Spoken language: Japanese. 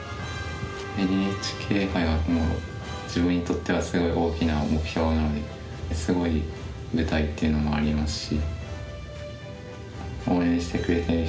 ＮＨＫ杯は自分にとってはすごい大きな目標なのですごい舞台っていうのもありますし。